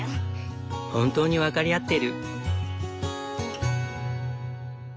本当に分かり合ってる。